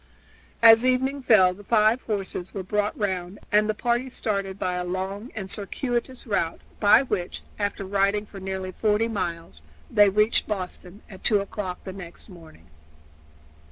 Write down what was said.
As evening fell the five horses were brought round, and the party started by a long and circuitous route, by which, after riding for nearly forty miles, they reached Boston at two o'clock next morning.